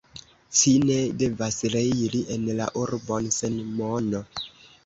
Ci ne devas reiri en la urbon sen mono.